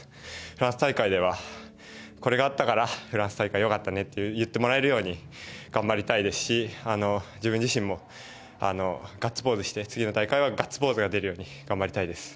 フランス大会ではこれがあったからフランス大会良かったねと言ってもらえるように頑張りたいですし自分自身も次の大会はガッツポーズが出るように頑張りたいです。